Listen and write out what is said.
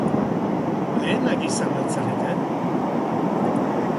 Lehenak izan al zarete?